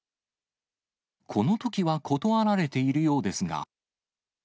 このときは断られているようですが。